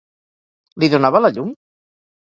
Li donava la llum?